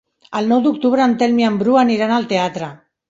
El nou d'octubre en Telm i en Bru aniran al teatre.